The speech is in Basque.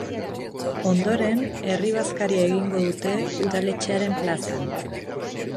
Ondoren, herri-bazkaria egingo dute udaletxearen plazan.